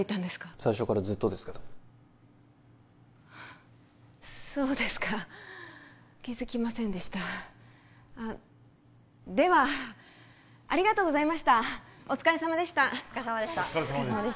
最初からずっとですけどそうですか気づきませんでしたあっではありがとうございましたお疲れさまでしたお疲れさまでしたお疲れさまです